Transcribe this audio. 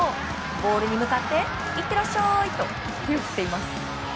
ボールに向かっていってらっしゃい！と手を振っています。